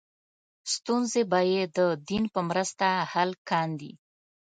ستونزې به یې د دین په مرسته حل کاندې.